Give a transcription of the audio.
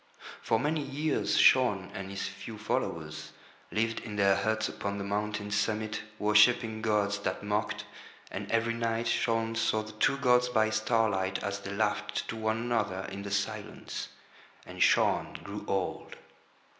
For many years Shaun and his few followers lived in their huts upon the mountain's summit worshipping gods that mocked, and every night Shaun saw the two gods by starlight as they laughed to one another in the silence. And Shaun grew old.